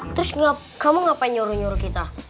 terus kamu ngapain nyuruh nyuruh kita